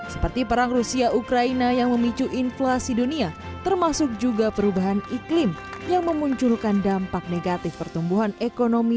seperti perang rusia ukraina yang memicu inflasi dunia termasuk juga perubahan iklim yang memunculkan dampak negatif pertumbuhan ekonomi